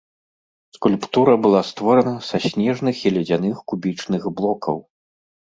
Скульптура была створана са снежных і ледзяных кубічных блокаў.